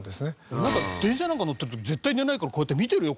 俺なんか電車なんか乗ってる時絶対寝ないからこうやって見てるよ